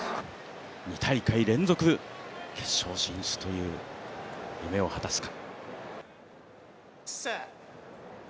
２大会連続決勝新酒という夢を果たすか。